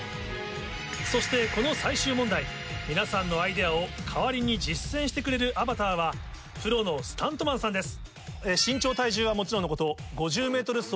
そしてこの最終問題皆さんのアイデアを代わりに実践してくれるアバターは。を今回探してまいりました。